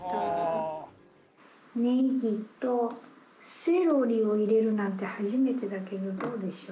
ネギとセロリを入れるなんて初めてだけどどうでしょう？